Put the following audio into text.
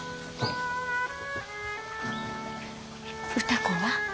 歌子は？